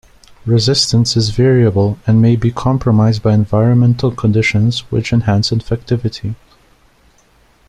Resistance is variable and may be compromised by environmental conditions which enhance infectivity.